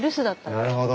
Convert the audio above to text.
なるほど。